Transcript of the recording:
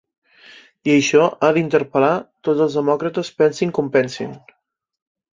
I això ha d’interpel·lar tots els demòcrates pensin com pensin.